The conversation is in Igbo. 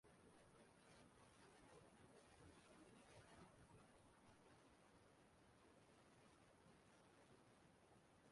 Òkù ọnwụ bụ mgbe chi onye ụwa jiri kpọọ ya maka na ụwa bụ ahịa